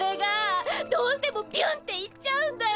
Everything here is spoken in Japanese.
どうしてもビュンって行っちゃうんだよ。